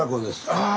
ああ！